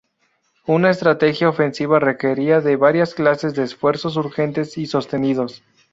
Una estrategia ofensiva requería de varias clases de esfuerzos urgentes y sostenidos.